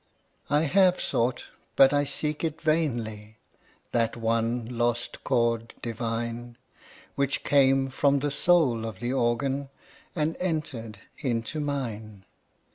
I have sought, but I seek it vainly, That one lost chord divine, Which came from the soul of the Organ, And entered into mine.